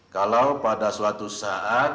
kalau pada suatu saat